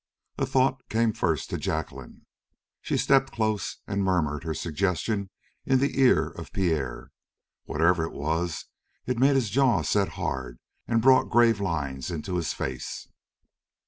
A thought came first to Jacqueline. She stepped close and murmured her suggestion in the ear of Pierre. Whatever it was, it made his jaw set hard and brought grave lines into his face.